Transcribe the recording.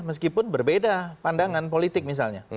meskipun berbeda pandangan politik misalnya